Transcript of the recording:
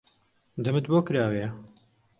دەمت بۆ کراوەیە؟